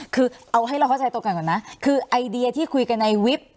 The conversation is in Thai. คือเอาให้เราเข้าใจตรงกันก่อนนะคือไอเดียที่คุยกันในวิบ